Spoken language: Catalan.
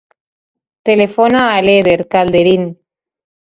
Telefona a l'Eder Calderin.